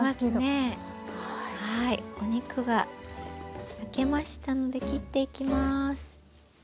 はいお肉が焼けましたので切っていきます。